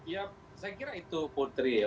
ya saya kira itu putri ya